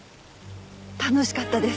楽しかったです